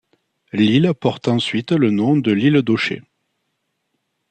L'île porte ensuite le nom d'île Dochet.